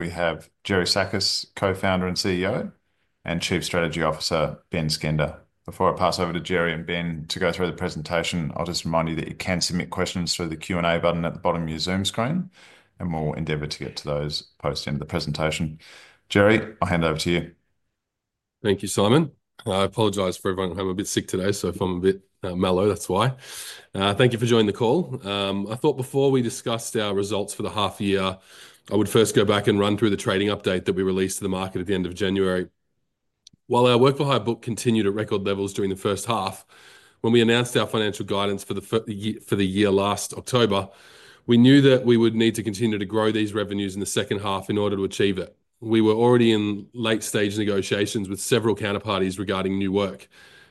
We have Gerry Sakkas, Co-founder and CEO, and Chief Strategy Officer, Benn Skender. Before I pass over to Gerry and Benn to go through the presentation, I'll just remind you that you can submit questions through the Q&A button at the bottom of your Zoom screen, and we'll endeavour to get to those posted in the presentation. Gerry, I'll hand over to you. Thank you, Simon. I apologize for everyone having a bit of a sick today, so if I'm a bit mellow, that's why. Thank you for joining the call. I thought before we discussed our results for the half-year, I would first go back and run through the trading update that we released to the market at the end of January. While our work-for-hire book continued at record levels during the first half, when we announced our financial guidance for the year last October, we knew that we would need to continue to grow these revenues in the second half in order to achieve it. We were already in late-stage negotiations with several counterparties regarding new work,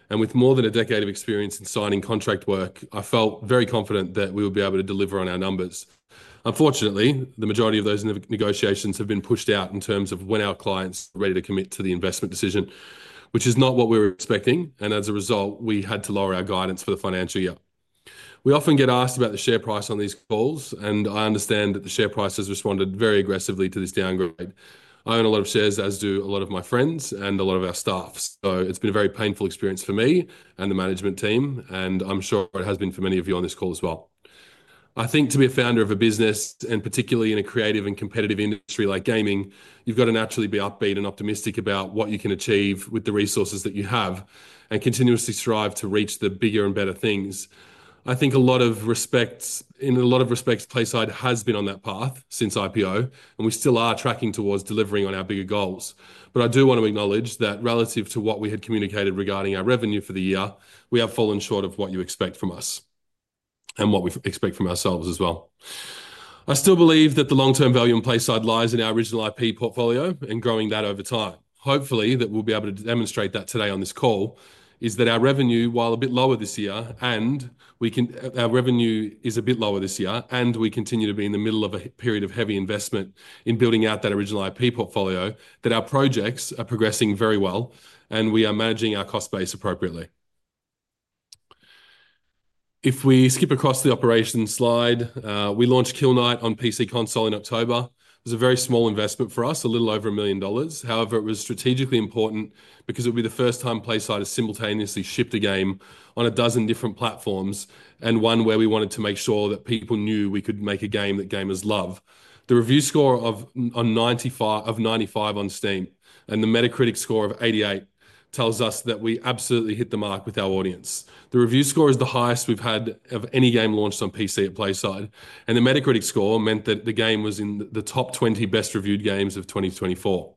and with more than a decade of experience in signing contract work, I felt very confident that we would be able to deliver on our numbers. Unfortunately, the majority of those negotiations have been pushed out in terms of when our clients are ready to commit to the investment decision, which is not what we were expecting, and as a result, we had to lower our guidance for the financial year. We often get asked about the share price on these calls, and I understand that the share price has responded very aggressively to this downgrade. I own a lot of shares, as do a lot of my friends and a lot of our staff, so it's been a very painful experience for me and the management team, and I'm sure it has been for many of you on this call as well. I think to be a founder of a business, and particularly in a creative and competitive industry like gaming, you've got to naturally be upbeat and optimistic about what you can achieve with the resources that you have and continuously strive to reach the bigger and better things. I think in a lot of respects, PlaySide has been on that path since IPO, and we still are tracking towards delivering on our bigger goals. I do want to acknowledge that relative to what we had communicated regarding our revenue for the year, we have fallen short of what you expect from us and what we expect from ourselves as well. I still believe that the long-term value in PlaySide lies in our Original IP portfolio and growing that over time. Hopefully, what we'll be able to demonstrate today on this call is that our revenue, while a bit lower this year, and our revenue is a bit lower this year, and we continue to be in the middle of a period of heavy investment in building out that Original IP portfolio, that our projects are progressing very well and we are managing our cost base appropriately. If we skip across the operations slide, we launched Kill Knight on PC console in October. It was a very small investment for us, a little over $1 million. However, it was strategically important because it would be the first time PlaySide has simultaneously shipped a game on a dozen different platforms and one where we wanted to make sure that people knew we could make a game that gamers love. The review score of 95 on Steam and the Metacritic score of 88 tells us that we absolutely hit the mark with our audience. The review score is the highest we've had of any game launched on PC at PlaySide, and the Metacritic score meant that the game was in the top 20 best-reviewed games of 2024.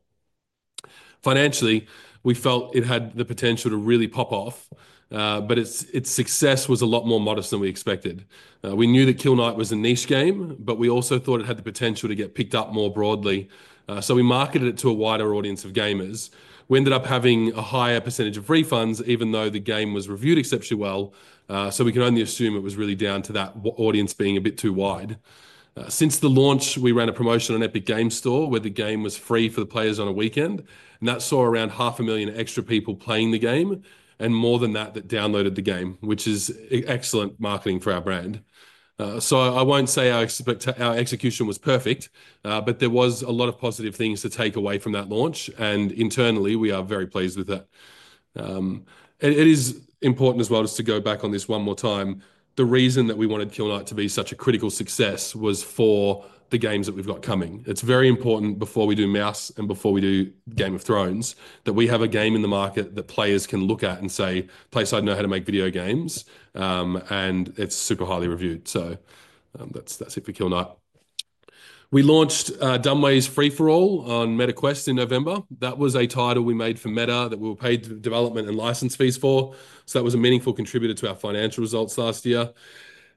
Financially, we felt it had the potential to really pop off, but its success was a lot more modest than we expected. We knew that Kill Knight was a niche game, but we also thought it had the potential to get picked up more broadly, so we marketed it to a wider audience of gamers. We ended up having a higher % of refunds, even though the game was reviewed exceptionally well, so we can only assume it was really down to that audience being a bit too wide. Since the launch, we ran a promotion on Epic Games Store where the game was free for the players on a weekend, and that saw around 500,000 extra people playing the game and more than that that downloaded the game, which is excellent marketing for our brand. I won't say our execution was perfect, but there was a lot of positive things to take away from that launch, and internally we are very pleased with it. It is important as well just to go back on this one more time. The reason that we wanted Kill Knight to be such a critical success was for the games that we've got coming. It's very important before we do Mouse and before we do Game of Thrones that we have a game in the market that players can look at and say, "PlaySide know how to make video games," and it's super highly reviewed. That's it for Kill Knight. We launched Dumb Ways Free for All on Meta Quest in November. That was a title we made for Meta that we were paid development and license fees for, so that was a meaningful contributor to our financial results last year.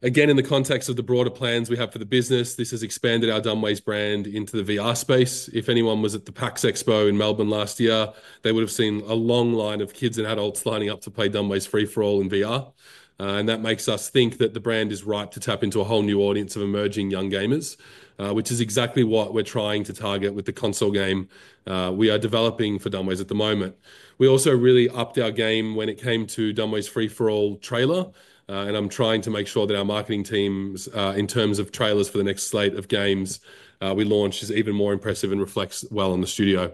Again, in the context of the broader plans we have for the business, this has expanded our Dumb Ways brand into the VR space. If anyone was at the PAX Expo in Melbourne last year, they would have seen a long line of kids and adults lining up to play Dumb Ways Free for All in VR, and that makes us think that the brand is right to tap into a whole new audience of emerging young gamers, which is exactly what we're trying to target with the console game we are developing for Dumb Ways at the moment. We also really upped our game when it came to Dumb Ways Free for All trailer, and I'm trying to make sure that our marketing team's, in terms of trailers for the next slate of games we launch, is even more impressive and reflects well on the studio.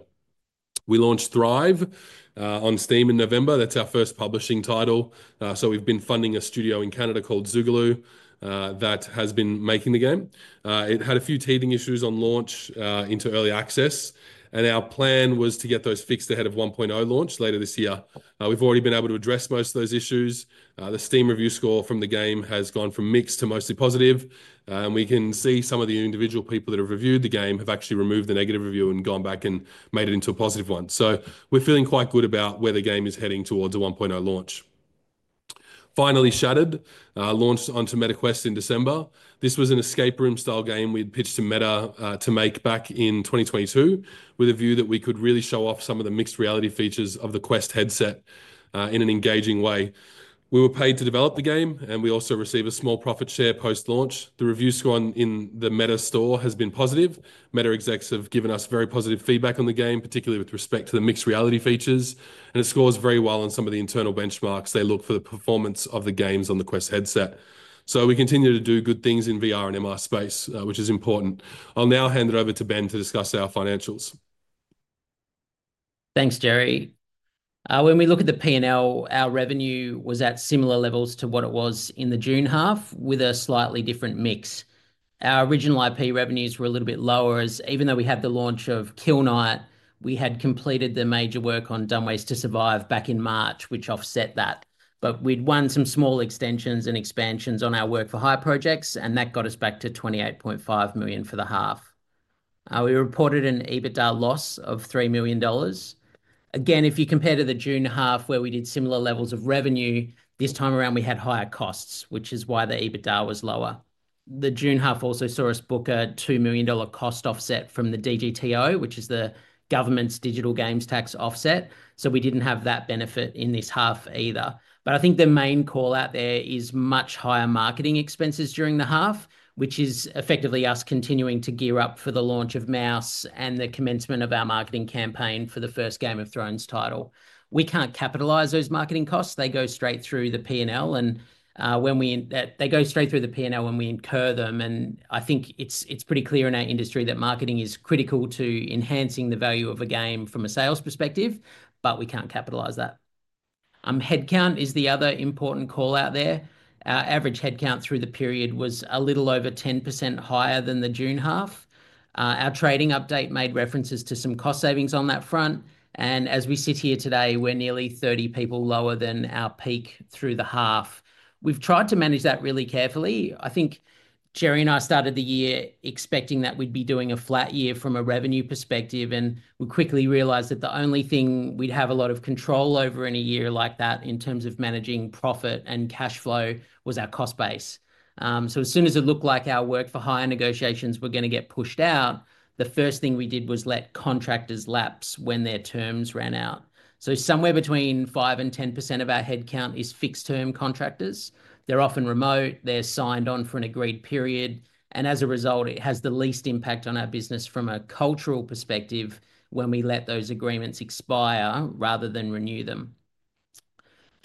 We launched Thrive on Steam in November. That's our first publishing title, so we've been funding a studio in Canada called Zugalu that has been making the game. It had a few teething issues on launch into Early Access, and our plan was to get those fixed ahead of 1.0 launch later this year. We've already been able to address most of those issues. The Steam Review Score from the game has gone from mixed to mostly positive, and we can see some of the individual people that have reviewed the game have actually removed the negative review and gone back and made it into a positive one. We are feeling quite good about where the game is heading towards a 1.0 launch. Finally, Shattered launched onto Meta Quest in December. This was an escape room style game we'd pitched to Meta to make back in 2022 with a view that we could really show off some of the mixed reality features of the Quest headset in an engaging way. We were paid to develop the game, and we also received a small profit share post-launch. The review score in the Meta Store has been positive. Meta execs have given us very positive feedback on the game, particularly with respect to the mixed reality features, and it scores very well on some of the internal benchmarks they look for the performance of the games on the Quest headset. We continue to do good things in VR and MR space, which is important. I'll now hand it over to Benn to discuss our financials. Thanks, Gerry. When we look at the P&L, our revenue was at similar levels to what it was in the June half with a slightly different mix. Our Original IP revenues were a little bit lower as even though we had the launch of Kill Knight, we had completed the major work on Dumb Ways to Survive back in March, which offset that. We had won some small extensions and expansions on our work-for-hire projects, and that got us back to $28.5 million for the half. We reported an EBITDA loss of $3 million. Again, if you compare to the June half where we did similar levels of revenue, this time around we had higher costs, which is why the EBITDA was lower. The June half also saw us book a $2 million cost offset from the DGTO, which is the government's digital games tax offset, so we did not have that benefit in this half either. I think the main call out there is much higher marketing expenses during the half, which is effectively us continuing to gear up for the launch of Mouse and the commencement of our marketing campaign for the first Game of Thrones title. We cannot capitalize those marketing costs. They go straight through the P&L, and they go straight through the P&L when we incur them. I think it is pretty clear in our industry that marketing is critical to enhancing the value of a game from a sales perspective, but we cannot capitalize that. Headcount is the other important call out there. Our average headcount through the period was a little over 10% higher than the June half. Our trading update made references to some cost savings on that front, and as we sit here today, we're nearly 30 people lower than our peak through the half. We've tried to manage that really carefully. I think Gerry and I started the year expecting that we'd be doing a flat year from a revenue perspective, and we quickly realised that the only thing we'd have a lot of control over in a year like that in terms of managing profit and cash flow was our cost base. As soon as it looked like our work-for-hire negotiations were going to get pushed out, the first thing we did was let contractors lapse when their terms ran out. Somewhere between 5% and 10% of our headcount is fixed-term contractors. They're often remote. They're signed on for an agreed period, and as a result, it has the least impact on our business from a cultural perspective when we let those agreements expire rather than renew them.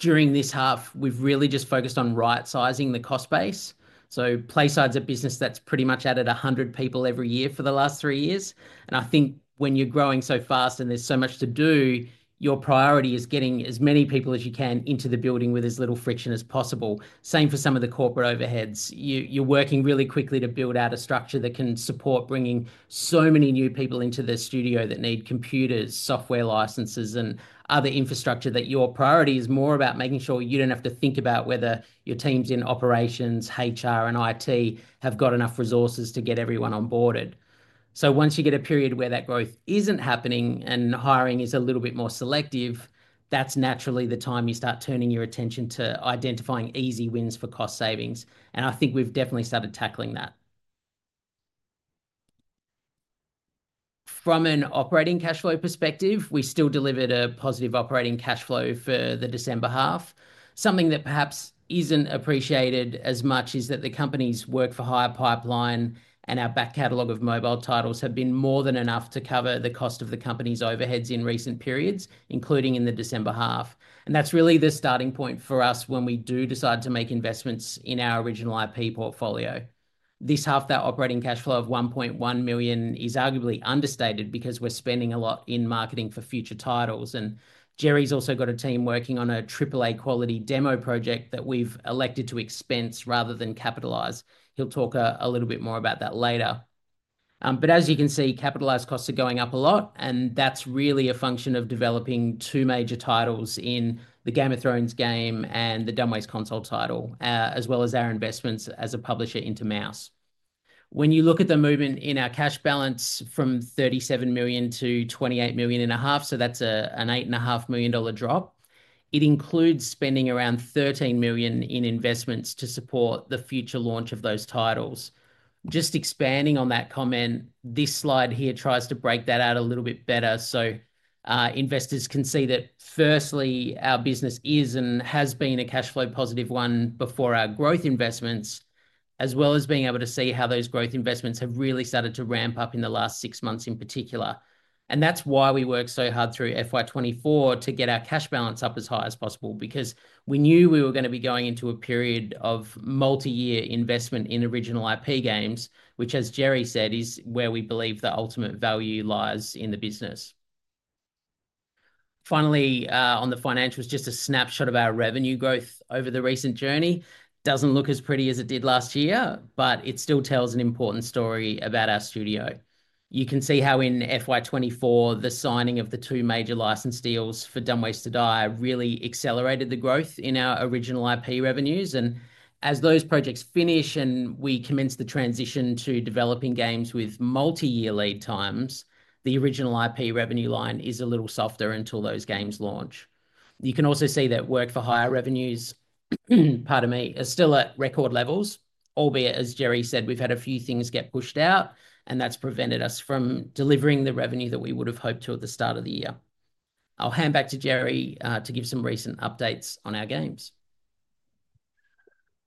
During this half, we've really just focused on right-sizing the cost base. PlaySide's a business that's pretty much added 100 people every year for the last three years, and I think when you're growing so fast and there's so much to do, your priority is getting as many people as you can into the building with as little friction as possible. Same for some of the corporate overheads. You're working really quickly to build out a structure that can support bringing so many new people into the studio that need computers, software licenses, and other infrastructure that your priority is more about making sure you don't have to think about whether your teams in operations, HR, and IT have got enough resources to get everyone onboarded. Once you get a period where that growth isn't happening and hiring is a little bit more selective, that's naturally the time you start turning your attention to identifying easy wins for cost savings, and I think we've definitely started tackling that. From an operating cash flow perspective, we still delivered a positive operating cash flow for the December half. Something that perhaps isn't appreciated as much is that the company's work-for-hire pipeline and our back catalogue of mobile titles have been more than enough to cover the cost of the company's overheads in recent periods, including in the December half, and that's really the starting point for us when we do decide to make investments in our Original IP portfolio. This half that operating cash flow of $1.1 million is arguably understated because we're spending a lot in marketing for future titles, and Gerry's also got a team working on a AAA quality demo project that we've elected to expense rather than capitalize. He'll talk a little bit more about that later. As you can see, capitalized costs are going up a lot, and that's really a function of developing two major titles in the Game of Thrones game and the Dumb Ways console title, as well as our investments as a publisher into Mouse. When you look at the movement in our cash balance from $37 million to $28.5 million, so that's an $8.5 million drop, it includes spending around $13 million in investments to support the future launch of those titles. Just expanding on that comment, this slide here tries to break that out a little bit better so investors can see that, firstly, our business is and has been a cash flow positive one before our growth investments, as well as being able to see how those growth investments have really started to ramp up in the last six months in particular. That is why we worked so hard through FY24 to get our cash balance up as high as possible because we knew we were going to be going into a period of multi-year investment in Original IP games, which, as Gerry said, is where we believe the ultimate value lies in the business. Finally, on the financials, just a snapshot of our revenue growth over the recent journey. It does not look as pretty as it did last year, but it still tells an important story about our studio. You can see how in FY24, the signing of the two major license deals for Dumb Ways to Die really accelerated the growth in our Original IP revenues, and as those projects finish and we commence the transition to developing games with multi-year lead times, the Original IP revenue line is a little softer until those games launch. You can also see that work-for-hire revenues, pardon me, are still at record levels, albeit as Gerry said, we've had a few things get pushed out, and that's prevented us from delivering the revenue that we would have hoped to at the start of the year. I'll hand back to Gerry to give some recent updates on our games.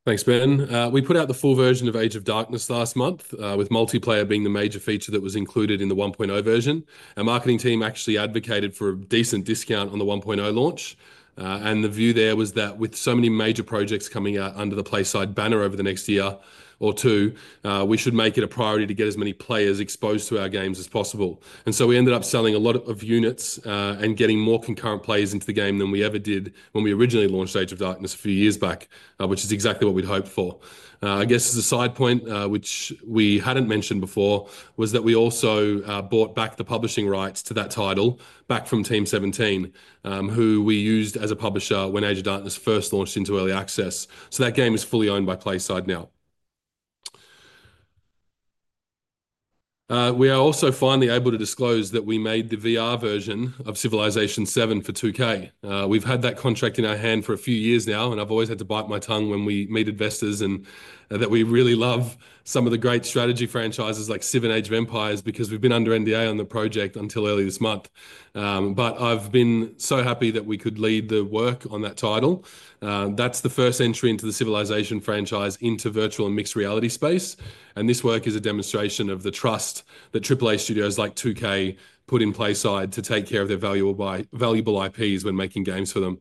Thanks, Benn. We put out the full version of Age of Darkness last month, with multiplayer being the major feature that was included in the 1.0 version. The marketing team actually advocated for a decent discount on the 1.0 launch. The view there was that with so many major projects coming out under the PlaySide banner over the next year or two, we should make it a priority to get as many players exposed to our games as possible. We ended up selling a lot of units and getting more concurrent players into the game than we ever did when we originally launched Age of Darkness a few years back, which is exactly what we'd hoped for. I guess as a side point, which we had not mentioned before, was that we also bought back the publishing rights to that title back from Team17, who we used as a publisher when Age of Darkness first launched into Early Access. That game is fully owned by PlaySide now. We are also finally able to disclose that we made the VR version of Civilization VII for 2K. We have had that contract in our hand for a few years now, and I have always had to bite my tongue when we meet investors and that we really love some of the great strategy franchises like Civ and Age of Empires because we have been under NDA on the project until early this month. I have been so happy that we could lead the work on that title. That's the first entry into the Civilization franchise into virtual and mixed reality space, and this work is a demonstration of the trust that AAA studios like 2K put in PlaySide to take care of their valuable IPs when making games for them.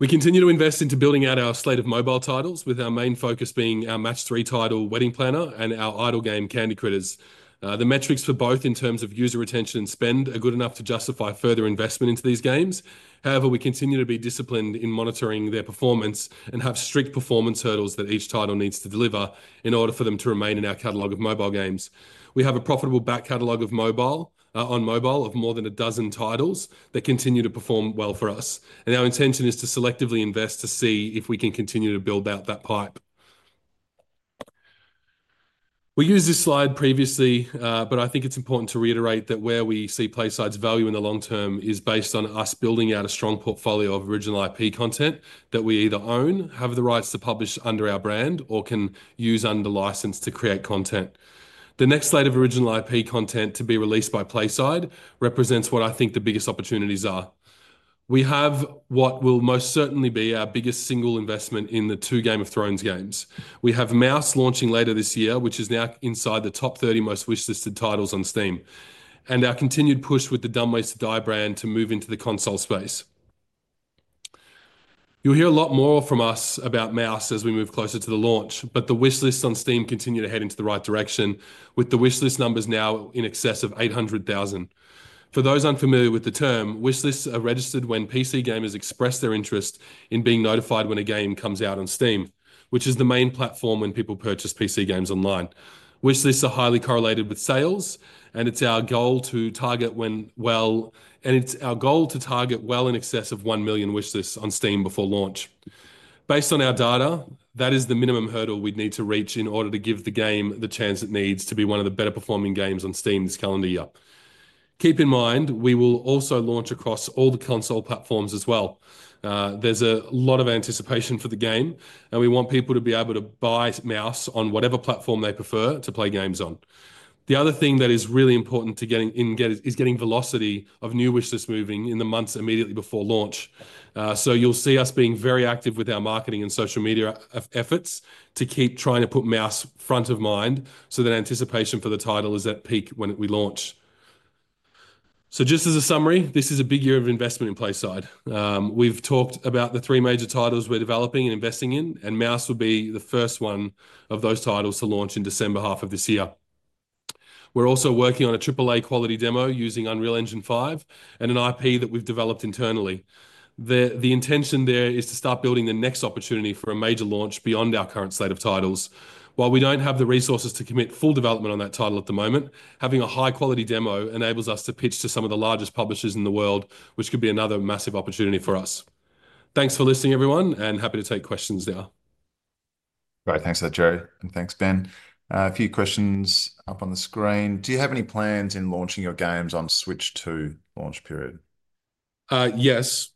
We continue to invest into building out our slate of mobile titles, with our main focus being our match three title, Wedding Planner, and our idle game, Candy Critters. The metrics for both in terms of user retention and spend are good enough to justify further investment into these games. However, we continue to be disciplined in monitoring their performance and have strict performance hurdles that each title needs to deliver in order for them to remain in our catalogue of mobile games. We have a profitable back catalogue on mobile of more than a dozen titles that continue to perform well for us, and our intention is to selectively invest to see if we can continue to build out that pipe. We used this slide previously, but I think it's important to reiterate that where we see PlaySide's value in the long term is based on us building out a strong portfolio of Original IP content that we either own, have the rights to publish under our brand, or can use under license to create content. The next slate of Original IP content to be released by PlaySide represents what I think the biggest opportunities are. We have what will most certainly be our biggest single investment in the two Game of Thrones games. We have Mouse launching later this year, which is now inside the top 30 most wishlisted titles on Steam, and our continued push with the Dumb Ways to Die brand to move into the console space. You'll hear a lot more from us about Mouse as we move closer to the launch, but the Wishlists on Steam continue to head in the right direction, with the wishlist numbers now in excess of 800,000. For those unfamiliar with the term, Wishlists are registered when PC gamers express their interest in being notified when a game comes out on Steam, which is the main platform when people purchase PC games online. Wishlists are highly correlated with sales, and it's our goal to target well in excess of 1 million Wishlists on Steam before launch. Based on our data, that is the minimum hurdle we'd need to reach in order to give the game the chance it needs to be one of the better performing games on Steam this calendar year. Keep in mind, we will also launch across all the console platforms as well. There's a lot of anticipation for the game, and we want people to be able to buy Mouse on whatever platform they prefer to play games on. The other thing that is really important is getting velocity of new Wishlists moving in the months immediately before launch. You will see us being very active with our marketing and social media efforts to keep trying to put Mouse front of mind so that anticipation for the title is at peak when we launch. Just as a summary, this is a big year of investment in PlaySide. We've talked about the three major titles we're developing and investing in, and Mouse will be the first one of those titles to launch in December half of this year. We're also working on a AAA quality demo using Unreal Engine 5 and an IP that we've developed internally. The intention there is to start building the next opportunity for a major launch beyond our current slate of titles. While we don't have the resources to commit full development on that title at the moment, having a high-quality demo enables us to pitch to some of the largest publishers in the world, which could be another massive opportunity for us. Thanks for listening, everyone, and happy to take questions now. Right, thanks for that, Gerry, and thanks, Benn. A few questions up on the screen. Do you have any plans in launching your games on Switch 2 launch period? Yes.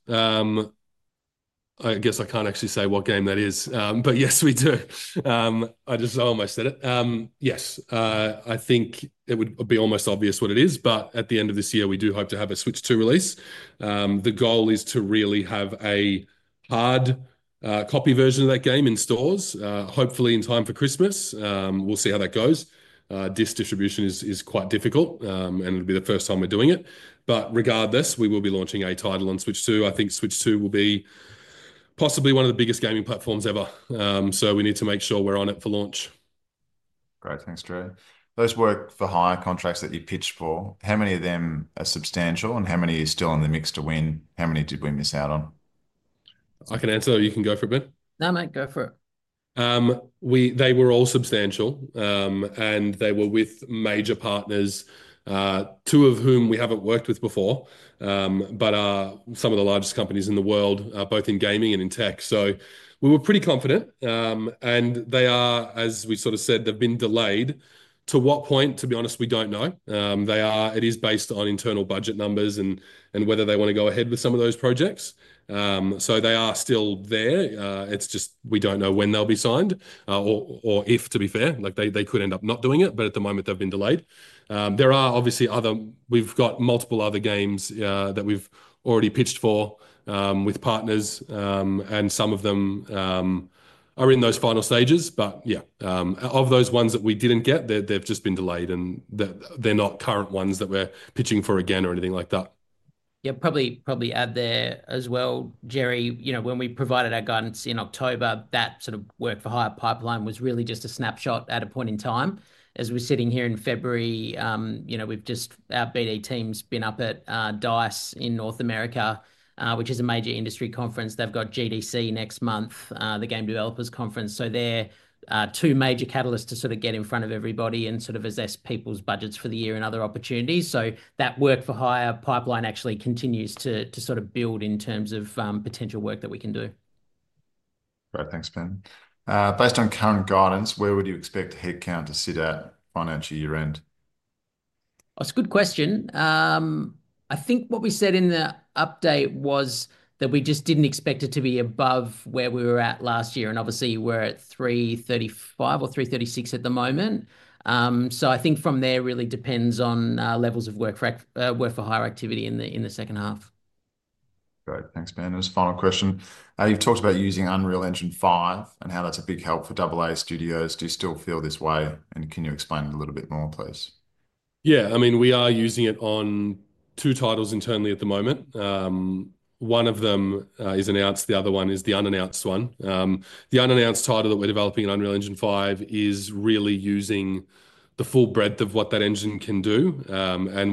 I guess I can't actually say what game that is, but yes, we do. I just almost said it. Yes, I think it would be almost obvious what it is, but at the end of this year, we do hope to have a Switch 2 release. The goal is to really have a hard copy version of that game in stores, hopefully in time for Christmas. We'll see how that goes. Disc distribution is quite difficult, and it'll be the first time we're doing it. Regardless, we will be launching a title on Switch 2. I think Switch 2 will be possibly one of the biggest gaming platforms ever, so we need to make sure we're on it for launch. Great, thanks, Gerry. Those work-for-hire contracts that you pitched for, how many of them are substantial, and how many are still in the mix to win? How many did we miss out on? I can answer that. You can go for a bit. No, mate, go for it. They were all substantial, and they were with major partners, two of whom we haven't worked with before, but are some of the largest companies in the world, both in gaming and in tech. We were pretty confident, and they are, as we sort of said, they've been delayed. To what point, to be honest, we don't know. It is based on internal budget numbers and whether they want to go ahead with some of those projects. They are still there. It's just we don't know when they'll be signed or if, to be fair. They could end up not doing it, but at the moment, they've been delayed. There are obviously other, we've got multiple other games that we've already pitched for with partners, and some of them are in those final stages. Yeah, of those ones that we didn't get, they've just been delayed, and they're not current ones that we're pitching for again or anything like that. Yeah, probably add there as well, Gerry, when we provided our guidance in October, that sort of work-for-hire pipeline was really just a snapshot at a point in time. As we're sitting here in February, our BD team's been up at DICE in North America, which is a major industry conference. They've got GDC next month, the Game Developers Conference. They are two major catalysts to sort of get in front of everybody and sort of assess people's budgets for the year and other opportunities. That work-for-hire pipeline actually continues to build in terms of potential work that we can do. Great, thanks, Benn. Based on current guidance, where would you expect headcount to sit at financial year-end? That's a good question. I think what we said in the update was that we just didn't expect it to be above where we were at last year, and obviously, we're at 335 or 336 at the moment. I think from there, it really depends on levels of work-for-hire activity in the second half. Great, thanks, Benn. There's a final question. You've talked about using Unreal Engine 5 and how that's a big help for AAA studios. Do you still feel this way, and can you explain it a little bit more, please? Yeah, I mean, we are using it on two titles internally at the moment. One of them is announced. The other one is the unannounced one. The unannounced title that we're developing in Unreal Engine 5 is really using the full breadth of what that engine can do.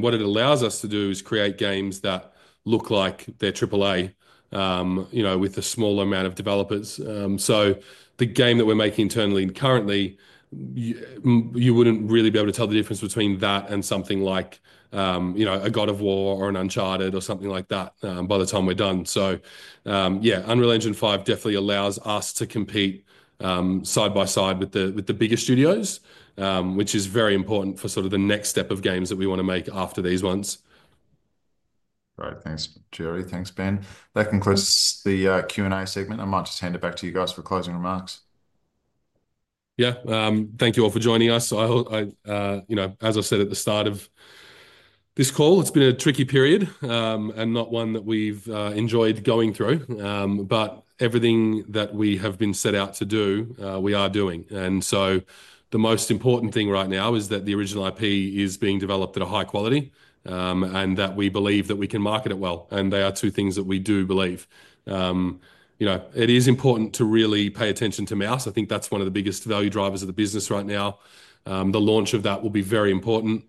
What it allows us to do is create games that look like they're AAA with a smaller amount of developers. The game that we're making internally currently, you wouldn't really be able to tell the difference between that and something like a God of War or an Uncharted or something like that by the time we're done. Unreal Engine 5 definitely allows us to compete side by side with the bigger studios, which is very important for sort of the next step of games that we want to make after these ones. Great, thanks, Gerry. Thanks, Benn. That concludes the Q&A segment. I might just hand it back to you guys for closing remarks. Yeah, thank you all for joining us. As I said at the start of this call, it's been a tricky period and not one that we've enjoyed going through, but everything that we have been set out to do, we are doing. The most important thing right now is that the Original IP is being developed at a high quality and that we believe that we can market it well. They are two things that we do believe. It is important to really pay attention to Mouse. I think that's one of the biggest value drivers of the business right now. The launch of that will be very important.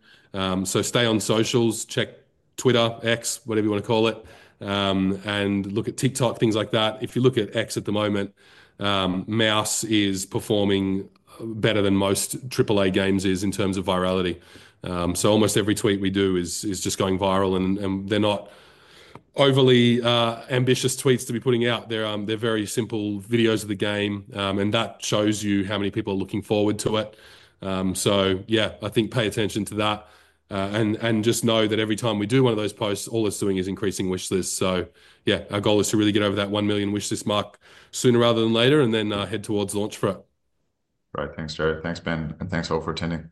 Stay on socials, check Twitter, X, whatever you want to call it, and look at TikTok, things like that. If you look at X at the moment, Mouse is performing better than most AAA games in terms of virality. Almost every tweet we do is just going viral, and they're not overly ambitious tweets to be putting out. They're very simple videos of the game, and that shows you how many people are looking forward to it. I think pay attention to that and just know that every time we do one of those posts, all it's doing is increasing Wishlists. Our goal is to really get over that 1 million wishlist mark sooner rather than later and then head towards launch for it. Great, thanks, Gerry. Thanks, Benn, and thanks all for attending.